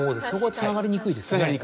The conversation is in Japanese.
そこはつながりにくいですね。